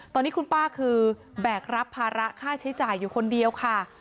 ตอนนี้คุณป้าคือแบกรับภาระค่าใช้จ่ายอยู่คนเดียวค่ะ